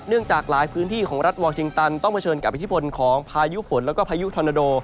จากหลายพื้นที่ของรัฐวอร์ชิงตันต้องเผชิญกับอิทธิพลของพายุฝนแล้วก็พายุธอนาโด